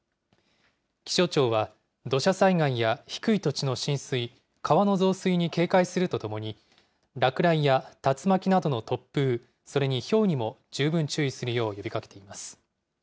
気象庁は、土砂災害や低い土地の浸水、川の増水に警戒するとともに、落雷や竜巻などの突風、それにひょうにも十分注意するよう呼びかけています。